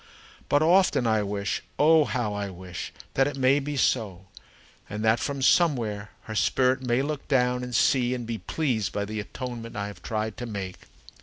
But often I wish oh, how I wish! that it may be so, and that from somewhere her spirit may look down and see and be pleased by the atonement I have tried to make!